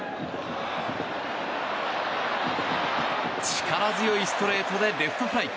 力強いストレートでレフトフライ。